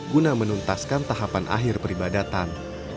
guna menuntaskan tahapan akhir peribadatan